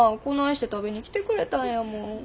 こないして食べに来てくれたんやもん。